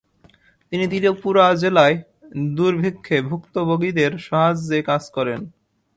তিনি ত্রিপুরা জেলায় দুর্ভিক্ষে ভূক্তভূগীদের সাহায্যে কাজ করেন।